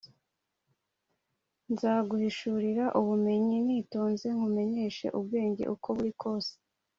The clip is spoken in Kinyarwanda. Nzaguhishurira ubumenyi nitonze, nkumenyeshe ubwenge uko buri kose